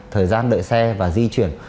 thời gian đợi xe và di chuyển